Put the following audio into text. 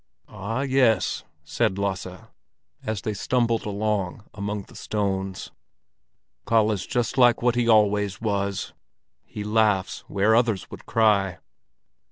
"Ah, yes," said Lasse, as they stumbled along among the stones. "Kalle's just like what he always was! He laughs where others would cry."